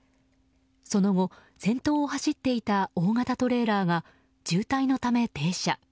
その後、先頭を走っていた大型トレーラーが渋滞のため停車。